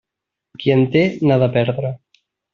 Qui en té, n'ha de perdre.